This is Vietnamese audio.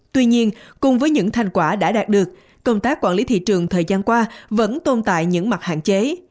tuy nhiên cùng với những thành quả đã đạt được công tác quản lý thị trường thời gian qua vẫn tồn tại những mặt hạn chế